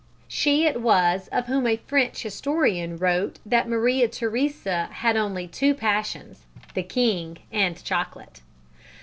She it was of whom a French historian wrote that Maria Theresa had only two passions the king and chocolate.